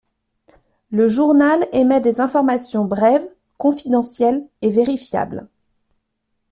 Le journal émet des informations brèves, confidentielles et vérifiables.